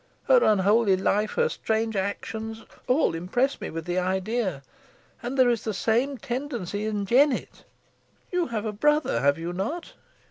Her unholy life, her strange actions, all impress me with the idea. And there is the same tendency in Jennet." "You have a brother, have you not?"